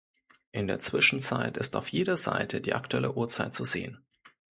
In der Zwischenzeit ist auf jeder Seite die aktuelle Uhrzeit zu sehen.